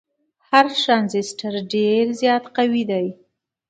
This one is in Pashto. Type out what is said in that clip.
هر ټرانزیسټر ډیر زیات قوي دی.